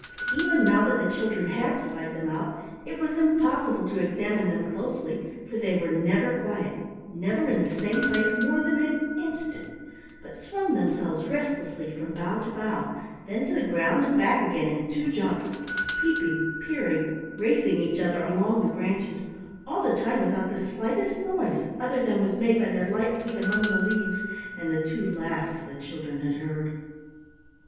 Even now that the children had spied them out, it was impossible to examine them closely for they were never quiet, never in the same place more than an instant, but swung themselves restlessly from bough to bough, then to the ground and back again in two jumps, peeping, peering, racing each other along the branches, all the time without the slightest noise other than was made by their light feet among the leaves and the two laughs the children had heard.